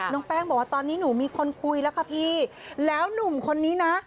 น้องแป้งบอกว่าตอนนี้หนูมีคนคุยแล้วค่ะพี่แล้วหนุ่มคนนี้นะ